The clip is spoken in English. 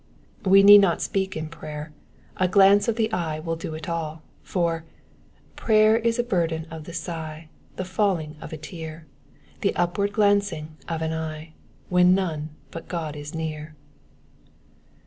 We need not speaJc in prayer ; a glance of the eye will do it all ; for —Prayer Is the burden of a dgh, The falling of a tear, The apwardf^lancing of an eye When none bat God is near.